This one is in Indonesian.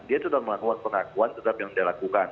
dia sudah melakukan pengakuan tetap yang dia lakukan